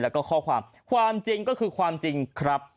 แล้วก็ข้อความความจริงก็คือความจริงครับ